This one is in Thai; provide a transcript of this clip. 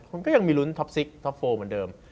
คุณก็ยังมีรุ้นท็อป๖ท็อป๔เหมือนเดิม